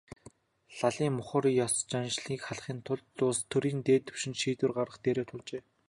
Лалын мухар ес заншлыг халахын тулд улс төрийн дээд түвшинд шийдвэр гаргах дээрээ тулжээ.